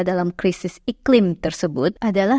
dalam krisis iklim tersebut adalah